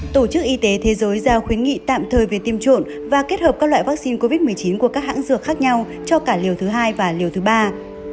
tổ chức y tế thế giới giao khuyến nghị tạm thời về tiêm trộm và kết hợp các loại vaccine covid một mươi chín của các hãng dược khác nhau cho cả liều thứ hai và liều thứ ba